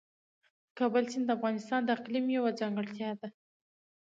د کابل سیند د افغانستان د اقلیم یوه ځانګړتیا ده.